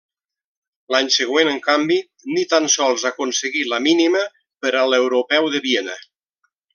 L'any següent, en canvi, ni tan sols aconseguí la mínima per a l'Europeu de Viena.